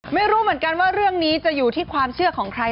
ไม่รู้เหมือนกันว่าเรื่องนี้จะอยู่ที่ความเชื่อของใคร